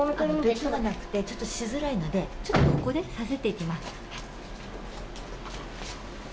ベッドがなくてちょっとしづらいのでちょっとここでさせていきます